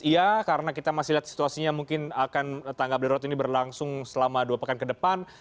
ya karena kita masih lihat situasinya mungkin akan tanggap darurat ini berlangsung selama dua pekan ke depan